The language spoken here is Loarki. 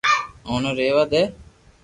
اوني رھيوا دي